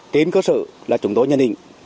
tên cơ sở là chúng tôi nhân hình